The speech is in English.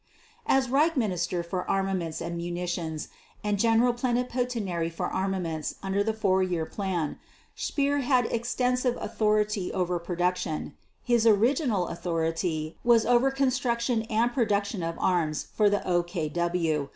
As Reich Minister for Armaments and Munitions and General Plenipotentiary for Armaments under the Four Year Plan, Speer had extensive authority over production. His original authority was over construction and production of arms for the OKW.